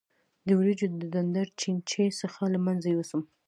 د وریجو د ډنډر چینجی څنګه له منځه یوسم؟